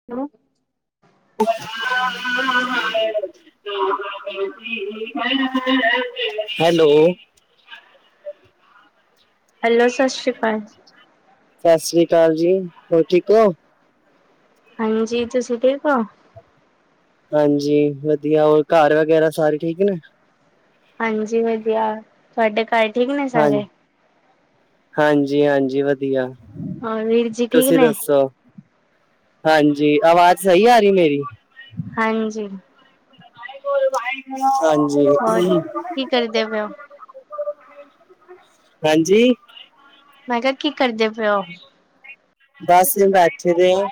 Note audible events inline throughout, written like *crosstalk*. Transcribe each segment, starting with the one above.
*unintelligible* *unintelligible* Hello hello ਸਤਿ ਸ੍ਰੀ ਅਕਾਲ। ਸਤਿ ਸ੍ਰੀ ਅਕਾਲ ਜੀ, ਹੋਰ ਠੀਕ ਹੋ? ਹਾਂਜੀ, ਤੁਸੀਂ ਠੀਕ ਹੋ? ਹਾਂਜੀ ਵਧੀਆ ਹੋਰ ਘਰ ਵਗੈਰਾ ਸਾਰੇ ਠੀਕ ਨੇ। ਹਾਂਜੀ ਵਧੀਆ ਤੁਹਾਡੇ ਘਰ ਠੀਕ ਨੇ ਹਾਂਜੀ ਸਾਰੇ। ਹਾਂਜੀ- ਹਾਂਜੀ ਵਧੀਆ ਹੋਰ ਵੀਰ ਜੀ ਠੀਕ ਤੁਸੀਂ ਨੇ? ਦੱਸੋ। ਹਾਂਜੀ ਆਵਾਜ਼ ਸਹੀ ਆ ਰਹੀ ਮੇਰੀ ਹਾਂਜੀ ਹਾਂਜੀ ਹੋਰ ਕੀ ਕਰਦੇ ਪਏ ਓ। ਹਾਂਜੀ ਮੈਂ ਕਿਹਾ ਕੀ ਕਰਦੇ ਪਏ ਉ ਬੱਸ ਬੈਠੇ ਦੇ ਆਂ।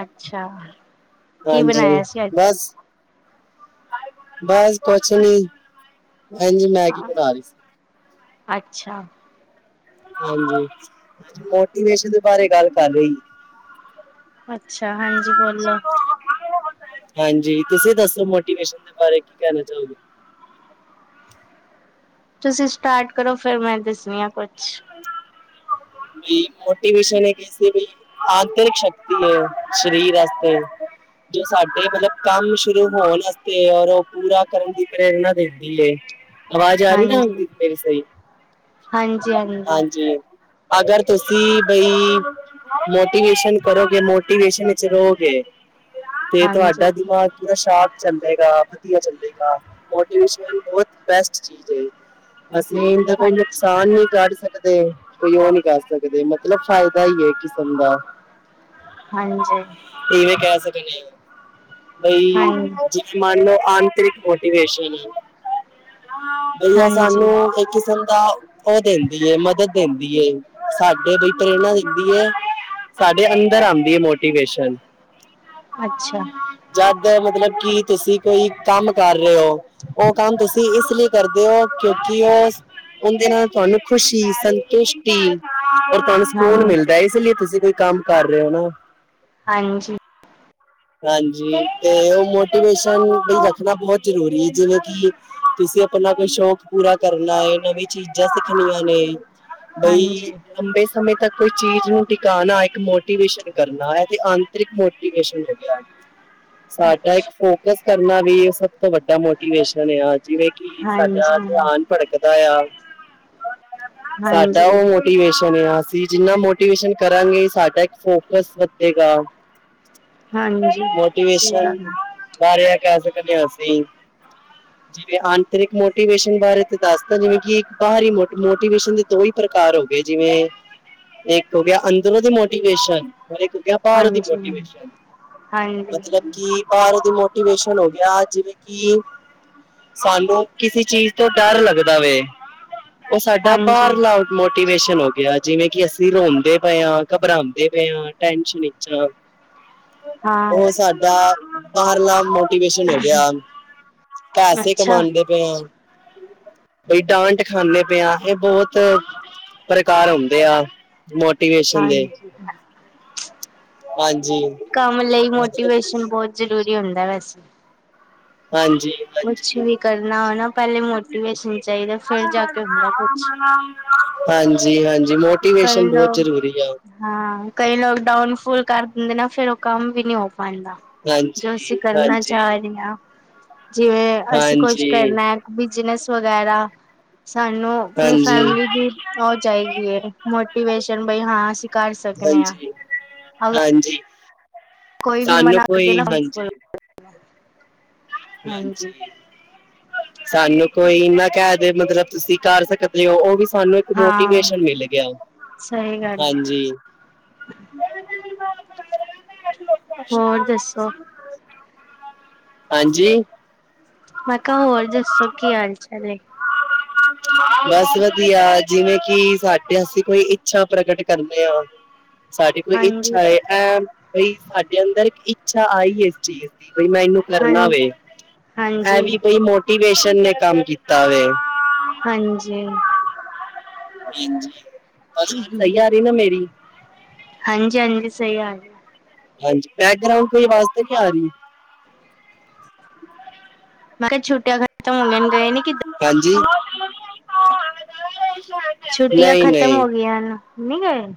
ਅੱਛਾ ਕੀ ਹਾਂਜੀ ਬਣਾਇਆ ਸੀ ਅੱਜ? ਬਸ ਬਸ ਕੁਛ ਨੀ ਇਂਝ ਮੈਗੀ ਬਣਾ ਰਹੀ ਸੀ। ਅੱਛਾ ਹਾਂਜੀ ਮੋਟੀਵੇਸ਼ਨ ਦੇ ਬਾਰੇ ਗੱਲ ਕਰ ਰਹੀ। ਅੱਛਾ ਹਾਂਜੀ ਬੋਲੋ। ਹਾਂਜੀ ਤੁਸੀਂ ਦੱਸੋ ਮੋਟੀਵੇਸ਼ਨ ਦੇ ਬਾਰੇ ਕੀ ਕਹਿਣਾ ਚਾਹੋਗੇ। ਤੁਸੀਂ ਸਟਾਰਟ ਕਰੋ ਫਿਰ ਮੈਂ ਦੱਸਣੀ ਆ ਕੁਛ ਵੀ ਮੋਟੀਵੇਸ਼ਨ ਕਿਸੀ ਵੀ ਆਂਤਰਿਕ ਸ਼ਕਤੀ ਹੈ ਸ਼ਰੀਰ ਅਸਤੇ ਜੋ ਸਾਡੇ ਮਤਲਬ ਕੰਮ ਸ਼ੁਰੂ ਹੋਣ ਆਸਤੇ ਔਰ ਓ ਪੂਰਾ ਕਰਨ ਦੀ ਪ੍ਰੇਰਨਾ ਦੇਦੀ ਏ। ਆਵਾਜ਼ ਆ ਰਹੀ ਨਾ ਹਾਂਜੀ, ਮੇਰੀ ਸਹੀ ਹਾਂਜੀ, ਹਾਂਜੀ, ਜੀ ਅਗਰ ਤੁਸੀਂ ਬਈ ਮੋਟੀਵੇਸ਼ਨ ਕਰੋਗੇ ਮੋਟੀਵੇਸ਼ਨ ਵਿੱਚ ਰਹੋਗੇ ਤੇ ਹਾਂਜੀ। ਤੁਹਾਡਾ ਦਿਮਾਗ ਪੂਰਾ ਸਾਪ ਚੱਲੇਗਾ ਵਧੀਆ ਚੱਲੇਗਾ ਮੋਟੀਵੇਸ਼ਨ ਬੈਸਟ ਚੀਜ਼ ਹੈ। ਅਸੀਂ ਇਹ ਦਾ ਕੋਈ ਅੱਛਾ, ਨੁਕਸਾਨ ਨਹੀਂ ਕਰ ਸਕਦੇ। ਕੋਈ ਉਹ ਨੀ ਕਰ ਸਕਦੇ ਮਤਲਬ ਫਾਇਦਾ ਹੀ ਹੈ ਕਿਸਮ ਦਾ ਹਾਂਜੀ ਇਵੇਂ ਕਹਿ ਸਕਦੇ ਬਈ ਹਾਂਜੀ, ਜ ਮਨ ਲੋ ਆਂਤਰਿਕ ਮੋਟੀਵੇਸ਼ਨਸ਼ ਏ। ਬਈਆ ਹਾਂਜੀ, ਸਾਨੂੰ ਇੱਕ ਕਿਸਮ ਦਾ ਉਹ ਦਿੰਦੀ ਹੈ ਮ ਹਮਤ ਦੇਂਦੀ ਏ ਸਾਡੇ ਲਈ ਟਰੇਨਾਂ ਦਿੰਦੀ ਏ। ਸਾਡੇ ਅੰਦਰ ਆਉਂਦੀ ਏ ਮੋਟੀਵੇਸ਼ਨ ਅੱਛਾ, ਜਦ ਮਤਲਬ ਕਿ ਤੁਸੀਂ ਕੋਈ ਕੰਮ ਕਰ ਰਹੇ ਓ। ਉਹ ਕੰਮ ਤੁਸੀਂ ਇਸ ਲਈ ਕਰਦੇ ਹੋ ਕਿਉਂਕਿ ਉਹ ਉਹਦੇ ਨਾਲ ਤੁਹਾਨੂੰ ਖੁਸ਼ੀ ਸੰਤੁਸ਼ਟੀ ਔਰ ਤੁਹਾਨੂੰ ਸਕੂਨ ਹਾਂਜੀ, ਮਿਲਦਾ ਇਸ ਲਈ ਤੁਸੀਂ ਕੋਈ ਕੰਮ ਕਰ ਰਹੇ ਹੋ ਨਾ। ਹਾਂਜੀ ਹਾਂਜੀ ਤੇ ਉਹ ਮੋਟੀਵੇਸ਼ਨ ਲਈ ਰੱਖਣਾ ਬਹੁਤ ਜ਼ਰੂਰੀ ਹੈ ਜਿਵੇਂ ਕਿ ਤੁਸੀਂ ਆਪਣਾ ਕੋਈ ਸ਼ੌਕ ਪੂਰਾ ਕਰਨਾ ਨਵੀਂ ਚੀਜ਼ਾਂ ਸਿੱਖਣੀਆਂ ਨੇ। ਬਈ ਹਾਂਜੀ ਲੰਬੇ ਸਮੇਂ ਤੱਕ ਕੋਈ ਚੀਜ਼ ਨੂੰ ਟਿਕਾਂਣਾ ਇੱਕ ਮੋਟੀਵੇਸ਼ਨ ਕਰਨਾ ਹੈ ਇਹ ਤੇ ਆਂਤਰਿਕ ਮੋਟੀਵੇਸ਼ਨ ਸਾਡਾ ਇੱਕ ਅੱਛਾ ਫੋਕਸ ਕਰਨਾ ਵੀ ਸਭ ਤੋਂ ਵੱਡਾ ਮੋਟੀਵੇਸ਼ਨ ਆ ਜਿਵੇਂ ਕੀ ਹਾਂਜੀ ਸਾਡਾ ਹਾਂ, ਧਿਆਨ ਭੜਕਦਾ ਆ ਸਾਡਾ ਹਾਂਜੀ ਉਹ ਮੋਟੀਵੇਸ਼ਨ ਅਸੀਂ ਜਿੰਨਾ ਮੋਟੀਵੇਸ਼ਨ ਕਰਾਂਗੇ ਸਾਡਾ ਇੱਕ ਫੋਕਸ ਵਧੇਗਾ। ਹਾਂਜੀ ਸਹੀ ਗੱਲ ਏ। ਬਾਰ ਕਹਿ ਸਕਦੇ ਹ ਅਸੀਂ ਆਂਤਰਿਕ ਮੋਟੀਵੇਸ਼ਨ ਬਾਰੇ ਤੇ ਦੱਸਦਾ ਜਿਵੇਂ ਕਿ ਇੱਕ ਬਾਹਰੀ ਮੋਟੀਵੇਸ਼ਨ ਦੋ ਹੀ ਪ੍ਰਕਾਰ ਹੋ ਗਏ ਜਿਵੇਂ ਇੱਕ ਹੋ ਗਿਆ ਅੰਦਰੋਂ ਦੀ ਮੋਟੀਵੇਸ਼ਨ ਔਰ ਇੱਕ ਹੋ ਗਿਆ। *unintelligible* ਦੀ ਹਾਂਜੀ ਹਾਂ, ਮੋਟੀਵੇਸ਼ਨ ਹਾਂਜੀ ਮਤਲਬ ਕਿ ਬਾਹਰ ਦੀ ਮੋਟੀਵੇਸ਼ਨ ਹੋ ਗਿਆ ਜਿਵੇਂ ਕਿ ਸਾਨੂੰ ਕਿਸੇ ਚੀਜ਼ ਤੋਂ ਡਰ ਲੱਗਦਾ ਵੇ ਉਹ ਸਾਡਾ ਹਾਂਜੀ ਬਾਹਰ ਲਾ ਮੋਟੀਵੇਸ਼ਨ ਹੋ ਗਿਆ ਜਿਵੇਂ ਕਿ ਅਸੀਂ ਰੋਂਦੇ ਪਏ ਆਂ ਘਬਰਾਉਂਦੇ ਪਏ ਆਂ ਟੈਸ਼ਨ ਵਿਚ ਆਂ। ਹਾਂ ਉਹ ਸਾਡਾ, ਬਾਹਰਲਾ ਮੁਲਕ ਮੋਟੀਵੇਸ਼ਨ ਹੋ ਗਿਆ, ਪੈਸੇ ਅੱਛਾ ਕਮਾਦੇ ਪਏ ਆ- ਬਈ ਡਾਂਟ ਖਾਂਦੇ ਪਏ ਆ, ਇਹ ਬਹੁਤ ਪ੍ਰਕਾਰ ਹੁੰਦੇ ਆ- ਮੋਟੀਵੇਸ਼ਨ ਦੇ, ਹਾਂਜੀ ਹਾਂਜੀ- ਕੰਮ ਲਈ ਮਤਲਬ ਮੋਟੀਵੇਸ਼ਨ ਕਿ- ਬਹੁਤ ਜ਼ਰੂਰੀ ਹੁੰਦਾ ਵੈਸੇ- ਹਾਂਜੀ- ਕੁਛ ਹਾਂਜੀ ਵੀ ਕਰਨਾ ਨਾ, ਪਹਿਲੇ ਮੋਟੀਵੇਸ਼ਨ ਚਾਹੀਦਾ, ਫਿਰ ਜਾ ਕੇ ਹੁੰਦਾ ਕੁਛ- ਹਾਂਜੀ ਹਾਂਜੀ ਮੋਟ- ਕਰ ਲਓ। ਹਾਂ ਕਈ ਲੋਕ, ਡਾਊਨ ਫਾਲ ਕਰ ਦਿੰਦੇ ਨਾ। ਫੇਰ ਉਹ ਕੰਮ ਵੀ ਨਹੀਂ ਹੋ ਪਾਉਦਾ। ਜੋ ਹਾਂਜੀ, ਅਸੀਂ, ਕਰਨਾ ਹਾਂਜੀ, ਚਾਹ ਰਹੇ ਹਾਂ। ਜਿਵੇਂ ਅਸੀਂ, ਕੁਛ ਹਾਂਜੀ, ਕਰਨਾ ਹੈ, ਬਿਜਨਸ ਵਗੈਰਾ। ਸਾਨੂੰ ਆਪਣੀ ਹਾਂਜੀ। ਫੈਮਿਲੀ ਦੀ, ਔ ਚਾਹੀਦੀ ਹੈ। ਮੋਟੀਵੇਸ਼ਨ ਬਈ, ਹਾਂ ਅਸੀਂ ਕਰ ਸਕਨੇ ਆਂ। ਹਾਂਜੀ, ਹਾਂਜੀ, ਸਾਨੂੰ ਕੋਈ, ਹਾਂਜੀ। ਹ *unintelligible* ਹਾਂਜੀ ਸਾਨੂੰ, ਕੋਈ ਇੰਨਾ ਕਹਿ ਦੇ ਮਤਲਬ, ਤੁਸੀਂ ਕਰ ਸਕਦੇ ਹੋ, ਉਹ ਵੀ ਸਾਨੂੰ। ਹਾਂ ਮੋਟੀਵੇਸ਼ਨ, ਮਿਲ ਗਿਆ, ਸਹੀ ਗੱਲ ਹੈ ਹਾਂਜੀ, *inaudible* ਹੋਰ, ਦੱਸੋ ਹਾਂਜੀ, ਮੈਂ ਕਿਹਾ ਹੋਰ ਦੱਸੋ, ਕੀ ਹਾਲ ਚਾਲ ਹੈ। ਬਸ ਵਧੀਆ ਜਿਵੇਂ ਕਿ ਸਾਡੇ ਅਸੀਂ ਕੋਈ ਇੱਛਾ ਪ੍ਰਕਟ ਕਰਨੇ ਹਾਂ ਸਾਡੇ ਕੋਈ ਹਾਂਜੀ ਇੱਛਾ ਹੈ ਹਾਂ ਅ ਬਈ ਸਾਡੇ ਅੰਦਰ ਇੱਕ ਇੱਛਾ ਆਈ ਐ ਇਸ ਚੀਜ਼ ਦੀ, ਬਈ ਮੈਂ ਇਹਨੂੰ ਕਰਨਾ ਹਾਂਜੀ ਵੇ- ਏ ਵੀ ਬਈ ਮੋਟੀਵੇਸ਼ਨ ਨੇ ਕੰਮ ਕੀਤਾ ਵੈ ਹਾਂਜੀ ਭੈਣਜੀ ਆਵਾਜ਼ ਸਹੀ ਆ ਰਹੀ ਨਾ ਮੇਰੀ- ਹਾਂਜੀ ਹਾਂਜੀ ਸਹੀ ਆ ਰਹੀ ਐ ਹਾਂਜੀ, ਬੈਕਗਰਾਂਡ ਕੋਈ ਆਵਾਜ਼ ਤੇ ਨਹੀ ਆ ਰਹੀ- ਮੈਂ ਕਿਹਾ ਛੁਟਿਆਂ ਖ਼ਤਮ ਹੋ ਗਈਆਂ, ਗਏ ਨੀ ਕਿ- ਹਾਂਜੀ- ਛੁੱਟੀਆਂ ਨਹੀਂ ਖ਼ਤਮ ਨਹੀਂ ਹੋ ਗਈਆਂ ਨ, ਨੀ ਗਏ-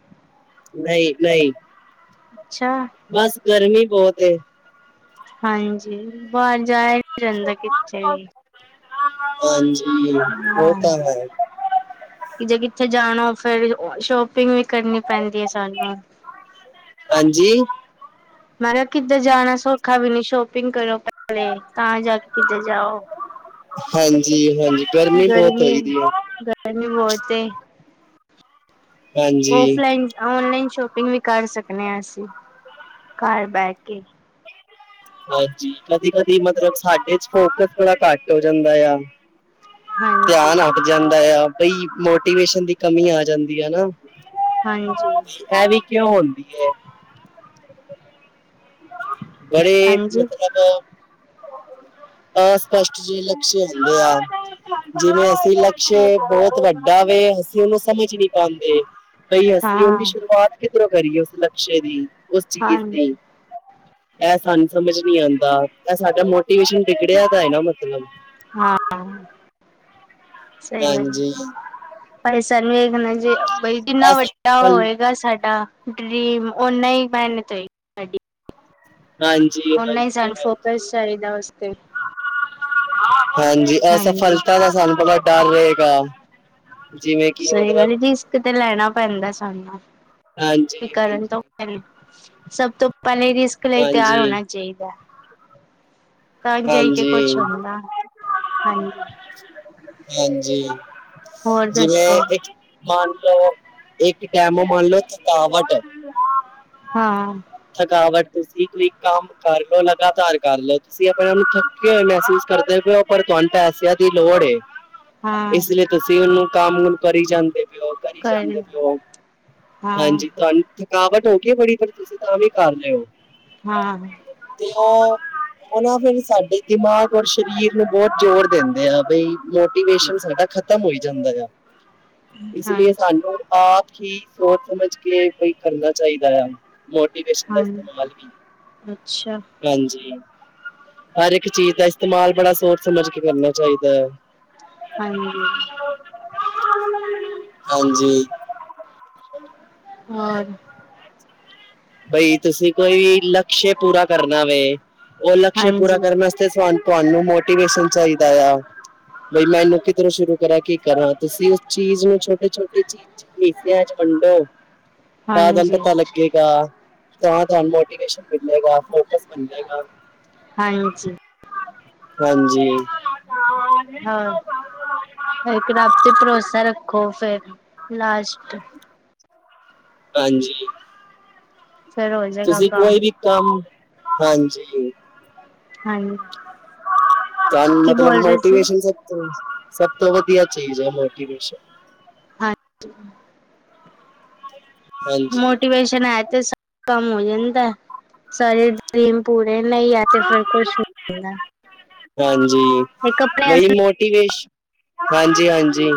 ਨਹੀਂ ਨਹੀਂ- ਅੱਛਾ- ਬਸ ਗਰਮੀ ਬਹੁਤ ਏ ਹਾਂਜੀ ਬਾਹਰ ਜਾਯਾ ਨੀ ਜਾਂਦਾ ਕਿੱਥੇ ਵੀ ਹਾਂਜੀ ਉਹ ਹਾਂ ਤਾਂ ਹੈ। ਕਿ ਜੇ ਕਿੱਥੇ ਜਾਣਾ, ਫਿਰ ਸ਼ੋਪਿੰਗ ਵੀ ਕਰਨੀ ਪੈਂਦੀ ਹੈ, ਸਾਨੂੰ ਹਾਂਜੀ ਮੈਂ ਕਿਹਾ ਕਿੱਧਰ ਜਾਣਾ ਸੌਖਾ ਵੀ ਨੀ, ਸ਼ੋਪਿੰਗ ਕਰੋ ਪਲੇ ਤਾਂ ਜਾ ਕੇ ਕਿਤੇ ਜਾਓ, ਹਾਂਜੀ, ਹਾਂਜੀ ਬਹੁਤ ਗਰਮੀ ਹੋਈ ਦੀ ਹੈ। ਗਰਮੀ ਬਹੁਤ ਏ ਹਾਂਜੀ, ਔਫਲਾਈਨ ਔਨਲਾਈਨ ਸ਼ੋਪਿੰਗ ਵੀ ਕਰ ਸਕਨੇ ਹਾਂ ਅਸੀਂ, ਘਰ ਬਹਿ ਕੇ! ! ਹਾਂਜੀ ਕਦੀ ਕਦੀ ਮਤਲਬ ਸਾਡੇ 'ਚ ਫੋਕਸ ਬੜਾ ਘੱਟ ਹੋ ਜਾਂਦਾ ਆ। ਧਿਆਨ ਹਾਂਜੀ ਹਟ--ਜਾਂਦਾ ਆ, ਬਈ ਮੋਟੀਵੇਸ਼ਨ ਦੀ ਕਮੀ ਆ ਜਾਂਦੀ ਆ ਨਾ। ਹਾਂ ਜੀ। ਐ ਵੀ ਕਿਉਂ ਹੁੰਦੀ ਹੈ। ਬੜੇ ਹਾਂਜੀ ਮਤਲੱਬ ਅ। ਅਸਪਸ਼ਟ ਜਿ ਲਕਸ਼ ਹੁੰਦੇ ਆ ਜਿਵੇਂ ਅਸੀਂ ਲਕਸ਼ ਅ ਬਹੁਤ ਵੱਡਾ ਵੇ ਅਸੀਂ ਉਹਨੂੰ ਸਮਝ ਨੀ ਪਾਉਂਦੇ। ਬਈ ਅਸੀਂ ਉਹ ਦੀ ਹਾਂ ਸ਼ੁਰੂਆਤ ਕਿਧਰੋਂ ਕਰੀਏ ਉਸ ਲਕਸ਼ੇ ਦੀ, ਉਸ ਚੀਜ਼ ਹਾਂਜੀ ਦੀ। ਇਹ ਸਾਨੂੰ ਸਮਝ ਨੀ ਆਉਂਦਾ। ਇਹ ਸਾਡਾ ਮੋਟੀਵੇਸ਼ਨ ਬਿਗੜਿਆ ਤਾਂ ਹੈ ਨਾ ਮਤਲਬ। ਹਾਂ ਹਾਂਜੀ। ਪੈਸਾ ਨਈ ਵੇਖਣਾ ਜੇ ਬਈ ਕਿੰਨਾ ਵੱਡਾ ਅਸਫਲ ਹੋਏਗਾ ਸਾਡਾ। ਡਰੀਮ, ਓਨਾ ਹੀ ਮੇਹਨਤ ਹੋਏਗ ਹਾਂ- ਓਨਾ ਹੀ ਸਾਨੂੰ ਫੋਕਸ ਚਾਹੀਦਾ ਉਸਤੇ। ਹਾਂਜੀ, ਹਾਂਜੀ ਅਸਫਲਤਾ ਦਾ ਸਾਨੂੰ ਬੜਾ ਡਰ ਰਹੇਗਾ। ਜਿਵੇਂ ਕਿ ਸਹੀ ਗੱਲ ਮਤਲਬ ਰਿਸਕ ਤੇ ਲੈਣਾ ਪੈਂਦਾ ਸਾਨੂੰ- ਵੀ ਹਾਂਜੀ -ਹਾਂਜੀ। ਕਰਨ ਤੋਂ ਸਭ ਤੋਂ ਪਹਿਲੇ ਰਿਸਕ ਲਈ ਤਿਆਰ ਹਾਂਜੀ ਹੋਣਾ ਚਾਹੀਦਾ ਹੈ। ਤਜਹੀ ਕੇ ਹਾਂਜੀ। ਕੁਛ ਹੁੰਦਾ, ਹਾਂਜੀ। ਹਾਂਜੀ, ਹੋਰ ਜਿਵੇਂ ਦੱਸੋ ਇੱਕ ਮੰਨ ਲਓ, ਇੱਕ ਟੇਮ ਵੱਲ ਕਵਾਟ *unintelligible* ਹਾਂ! ਥਕਾਵਟ ਤੁਸੀਂ ਕੋਈ ਕੰਮ ਕਰ ਲਓ ਲਗਾਤਾਰ ਕਰ ਲਓ। ਤੁਸੀਂ ਆਪਣੇ ਆਪ ਨੂੰ ਥੱਕੇ ਹੋਏ ਮਹਿਸੂਸ ਕਰਦੇ ਪਏ ਹੋ ਪਰ ਤੁਹਾਨੂੰ ਪੈਸਿਆਂ ਦੀ ਲੋੜ ਏ ਹ- *inaudible* ਇਸ ਲਈ ਤੁਸੀਂ ਉਹਨੂੰ ਕੰਮ ਕਰੀ ਜਾਂਦੇ ਪੇ ਹੋ। ਕਰੀ ਕਰ ਜਾਂਦੇ ਪੇ ਹੋ। ਹਾਂ ਹਾਂਜੀ, ਤੁਹਾਨੂੰ ਥਕਾਵਟ ਹੋ ਗਈ ਹੈ, ਬੜੀ ਪਰ ਤੁਸੀਂ ਤਾਂ ਵੀ ਕਰ ਰੇ ਹੋ। ਹਾਂ। ਤੇ ਉਹ ਅ ਉਹ ਨਾਂ, ਫਿਰ ਸਾਡੇ ਦਿਮਾਗ ਔਰ ਸਰੀਰ ਨੂੰ ਬਹੁਤ ਜ਼ੋਰ ਦਿੰਦੇ ਆ ਬਈ। ਮੋਟੀਵੇਸ਼ਨ ਸਾਡਾ ਖਤਮ ਹੋਈ ਜਾਂਦਾ ਆ ਇਸ ਲਈ ਹਾਂਜੀ ਸਾਨੂੰ ਆਪ ਹੀ ਸੋਚ -ਸਮਝ ਕੇ ਬਈ ਕਰਨਾ ਚਾਹੀਦਾ ਆ। ਮੋਟੀਵੇਸ਼ਨ ਦਾ ਹਾਂ, ਇਸਤੇਮਾਲ ਵੀ ਅੱਛਾ। ਹਾਂਜੀ। ਹਰ ਇੱਕ ਚੀਜ਼ ਦਾ ਇਸਤੇਮਾਲ ਬੜਾ ਸੋਚ- ਸਮਝ ਕੇ ਕਰਨਾ ਚਾਹੀਦਾ ਹੈ। ਹਾਂਜੀ। ਹਾਂਜੀ। *inaudible* ਹੋਰ ਬਈ ਤੁਸੀਂ ਕੋਈ ਵੀ ਲਕਸ਼ੇ ਪੂਰਾ ਕਰਨਾ ਵੇ, ਉਹ ਲਕਸ਼ ਪੂਰਾ ਹਾਂਜੀ ਕਰਨ ਵਾਸਤੇ ਸਾ ਤੁਹਾਨੂੰ ਮੋਟੀਵੇਸ਼ਨ ਚਾਹੀਦਾ ਐ। ਬਈ ਮੈਂ ਇਹਨੂੰ ਕਿਧਰੋਂ ਸ਼ੁਰੂ ਕਰਾਂ ਕਿ ਕਰਾਂ ਤੁਸੀਂ ਉਸ ਚੀਜ਼ ਨੂੰ ਛੋਟੇ- ਛੋਟੇ ਚ ਹਿਸਿਆਂ ਚ ਵੰਡੋ ਤਾਂ ਤੁਹਾਨੂੰ ਹਾਂਜੀ ਪਤਾ ਲੱਗੇਗਾ। ਤਾਂ ਤੁਹਾਨੂੰ ਮੋਟੀਵੇਸ਼ਨ ਮਿਲੇਗਾ, ਫੋਕਸ ਮਿਲੇਗਾ ਹਾਂਜੀ। ਹਾਂਜੀ। ਹੋਰ, ਇੱਕ ਰਬ ਤੇ ਭਰੋਸਾ ਰੱਖੋ ਫੇਰ ਲਾਸਟ ਹਾਂਜੀ ਫਿਰ ਹੋ ਜਾਏਗਾ ਤੁਸੀਂ ਕੰਮ ਕੋਈ ਵੀ ਕੰਮ, ਹਾਂਜੀ ਹਾਂਜੀ ਕੰਮ ਕੀ ਮਤਲਬ ਬੋਲ ਰਹੇ ਸੀ ਮੋਟੀਵੇਸ਼ਨ ਸਭ ਤੋਂ-ਸਭ ਤੋਂ ਵਧੀਆ ਚੀਜ਼ ਹੈ, ਮੋਟੀਵੇਸ਼ਨ ਹਾਂ *inaudible* ਮੋਟੀਿਵੇਸ਼ਨ ਹੇ ਤੇ ਸਭ ਕੰਮ ਹੋ ਜਾਂਦਾ ਸਰੀ ਡਰੀਮ ਪੂਰੇ ਨਹੀਂਹੈ ਤੇ ਫਿਰ ਕੁਛ ਨਹੀਂ ਮਿਲਦਾ ਹਾਂਜੀ ਬਈ ਮੋਟੀਵੇਸ਼ਨ ਹਾਂਜੀ ਹਾਂਜੀ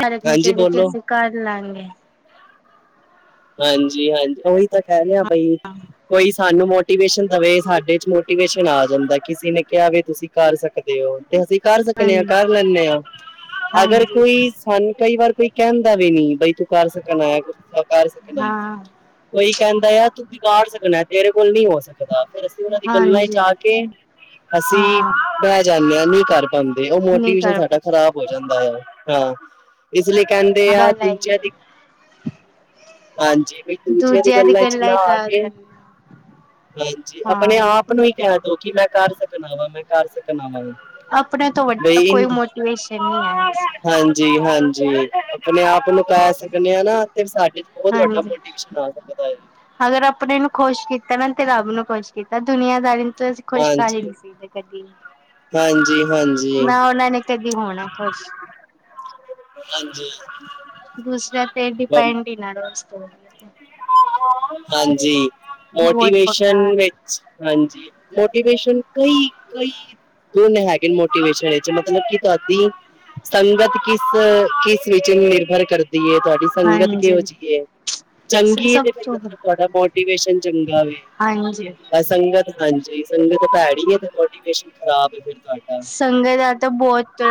ਥੇਰਪੀ ਹਾਂਜੀ ਜੇੜੀ ਕਿ ਬੋਲੋ ਅਸੀਂ ਕਰ ਲਾਗੇ ਹਾਂਜੀ ਹਾਂਜੀ ਉਹੀ ਤਾਂ ਕਹਿ ਰਿਹਾ ਬਈ ਕੋਈ ਸਾਨੂੰ ਮੋ ਮੋਟੀਵੇਸ਼ਨ ਵੇ ਸਾਡੇ ਚ ਮੋਟੀਵੇਸ਼ਨ ਆ ਜਾਂਦਾ ਕਿਸੇ ਨੇ ਕਿਹਾ ਵੀ ਤੁਸੀਂ ਕਰ ਸਕਦੇ ਹੋ ਤੇ ਅਸੀਂ। ਕਰ ਸਕਨੇ ਹਾਂ ਹਾਂਜੀ ਕਰ ਲੈਂਨੇ ਹਾਂ ਅਗਰ ਹਾਂਜੀ ਕੋਈ ਸ। ਸਾਨੂੰ ਕਈ ਵਾਰ ਕੋਈ ਕਹਿੰਦਾ ਵੀ ਨੀ ਬਈ ਤੂੰ ਕਰ ਸਕਣ ਅ। ਗੁੱਸਾ ਕਰ ਸਕਦਾ ਹਾਂ ਕੋਈ ਕਹਿੰਦਾ ਆ ਤੂੰ ਵਿਗਾੜ ਸਕਣਾ ਹਾ ਤੇਰੇ ਕੋਲ ਨਹੀਂ ਹੋ ਸਕਦਾ। ਫਿਰ ਅਸੀਂ ਉਹਨਾਂ ਦੀ ਗੱਲਾਂ ਚ ਹਾਂਜੀ ਆ ਕੇ ਅਸੀਂ ਹਾਂ ਬਹ ਜਾਂਦੇ ਹਾਂ ਨੀ ਕਰ। ਦੇ ਉਹ ਨਹੀਂ ਮੋਟੀਵੇਸ਼ਨ ਕਰ ਪਾ ਸਾਡਾ ਖ਼ਰਾਬ ਹੋ ਜਾਂਦਾ ਹੈ ਅ ਹਾਂ ਇਸ ਲਈ ਕਹਿੰ। ਹਰ ਲਅ। ਹਾਂਜੀ ਬਈ ਦੂਜਿਆਂ ਦੀਆਂ ਗੱਲਾਂ 'ਚ ਨਾ ਆ ਕੇ। ਹਾਂਜੀ ਹਾਂ ਆਪਣੇ ਆਪ ਨੂੰ ਹੀ ਕਹਿ ਦੋ ਕਿ ਮੈਂ ਕਰ ਸਕਣਾ ਵਾਂ ਮੈਂ ਕਰ ਸਕਣਾ ਅਵਾਗਾ। ਆਪਣੇ ਤੋਂ ਵੱਡਾ ਕੋਈ ਮੋਟੀਵੇਸ਼ਨ ਨਹੀਂ ਆਇਆ ਸੀ। ਹਾਂਜੀ ਹਾਂਜੀ ਆਪਣੇ ਆਪ ਨੂੰ ਕਹਿ ਸਕਦੇ ਹਾਂ ਨਾ ਤੇ ਸਾਡੇ ਤੋ। ਬਹੁਤ ਵੱਡਾ ਹਾਂਜੀ ਮੋਟੀਵੇਸ਼ਨ ਆ ਸਕਦਾ ਹਾ। ਅਗਰ ਆਪਣੇ ਨੂੰ ਖੁਸ਼ ਕੀਤਾ ਨਾ ਤੇ ਰੱਬ ਨੂੰ ਖੁਸ਼ ਕੀਤਾ ਦੁਨੀਆਂਦਾਰੀ ਨ। ਅਸੀਂ ਖੁਸ਼ ਕਰ ਹੀ ਨਿ ਸੀ ਕਦੀ ਹਾਂਜੀ ਹਾਂਜੀ ਹਾਂਜੀ ਨਾ ਉਹਨਾਂ ਨੇ। ਦੀ ਹੋਣਾ ਖੁਸ਼। ਹਾਂਜੀ ਦੂਸਰਾ ਤੇ ਡਿਪੈਂਡ ਹੀ ਨੀ ਰਹੋ ਵਾਸ ਹਾਂਜੀ ਬਹੁਤ ਮੋਟੀਵੇਸ਼ਨ ਬੇਕਾਰ ਵਿੱਚ ਹਾਂਜੀ ਮੋਟੀਵੇਸ਼ਨ ਕਈ ਕਈ ਦੋਨੋ ਹੈਗੇ ਮੋਟੀਵੇਸ਼ਨ ਵਿੱਚ ਮਤਲਬ ਕਿ ਤੁਹਾਡੀ ਸੰਗਤ ਕਿਸ ਕਿਸ ਵਿਚ ਨਿਰਭਰ ਕਰਦੀ ਹੈ ਤੁਹਾਡੀ ਸੰਗਤ ਕਿਹੋ ਹਾਂਜੀ ਜਿਹੀ ਹੈ ਚੰਗੀ ਸਭ ਤੇ ਫਿਰ ਤੋਂ ਮਤਲਬ ਤੁਹਾਡਾ ਮੋਟੀਵੇਸ਼ਨ ਚੰਗਾ ਹਾਂਜੀ ਵ ਸੰਗਤ ਹਾਂਜੀ ਸੰਗਤ ਭੈੜੀ ਹੈ ਤੇ ਮੋਟੀਵੇਸ਼ਨ ਖਰਾਬ ਫਿਰ ਤੁਹਾਡਾ ਸੰਗਤ ਦਾ ਤਾਂ ਬਹੁਤ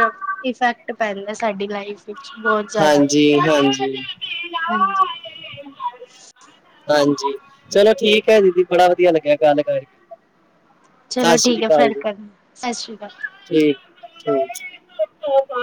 ਇਫੈਕਟ ਪੈਂਦਾ ਸਾਡੀ ਲਾਈਫ ਵਿੱਚ ਬਹੁਤ ਜ਼ਿਆਦਾ ਹਾਂਜੀ ਹਾਂਜੀ ਹਾਂਜੀ *inaudible* ਹਾਂਜੀ ਚਲੋ ਠੀਕ ਹੈ ਦੀਦੀ ਬੜਾ ਵਧੀਆ ਲੱਗਿਆ ਗੱਲ ਕਰਕੇ ਚਲੋ ਸਤਿ ਸ੍ਰੀ ਠੀਕ ਹੈ ਅਕਾਲ ਫਰ ਜੀ ਕਰ ਸਤਿ ਸ੍ਰੀ ਅਕਾਲ ਠੀਕ ਏ ਠੀਕ